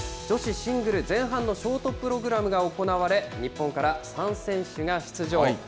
女子シングル、前半のショートプログラムが行われ、日本から３選手が出場。